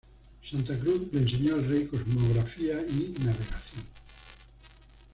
Santa Cruz le enseñó al rey cosmografía y navegación.